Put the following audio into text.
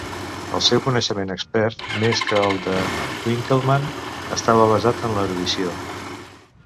El seu coneixement expert, més que el de Winckelmann, estava basat en la erudició.